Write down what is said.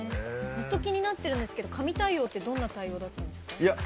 ずっと気になってるんですけど神対応ってどんな対応だったんですか？